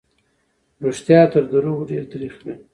رښتيا تر دروغو ډېر تريخ وي.